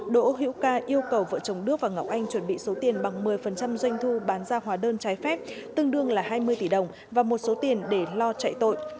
đỗ hiễu ca yêu cầu vợ chồng đức và ngọc anh chuẩn bị số tiền bằng một mươi doanh thu bán ra hóa đơn trái phép tương đương là hai mươi tỷ đồng và một số tiền để lo chạy tội